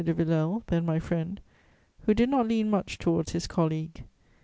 de Villèle, then my friend, who did not lean much towards his colleague.